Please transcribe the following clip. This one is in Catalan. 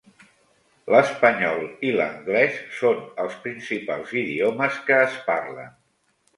L'espanyol i l'anglès són els principals idiomes que es parlen.